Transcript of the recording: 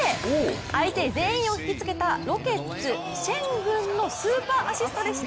相手全員を引きつけたロケッツ、シェングンのスーパーアシストでした。